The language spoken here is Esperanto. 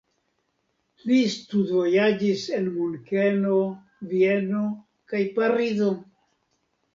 Li studvojaĝis en Munkeno, Vieno kaj Parizo.